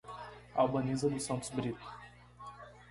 Albaniza dos Santos Brito